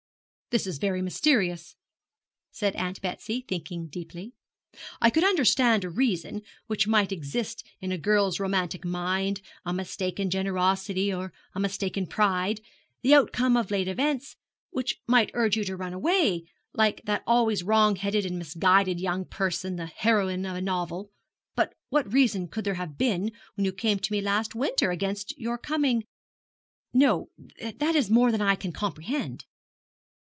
'This is very mysterious,' said Aunt Betsy, thinking deeply. 'I could understand a reason which might exist in a girl's romantic mind a mistaken generosity, or a mistaken pride the outcome of late events which might urge you to run away like that always wrong headed and misguided young person, the heroine of a novel: but what reason there could have been when you came to me last winter against your coming no that is more than I can comprehend.'